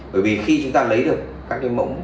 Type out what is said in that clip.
bởi vì khi chúng ta lấy được các cái mẫu